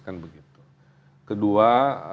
kan begitu kedua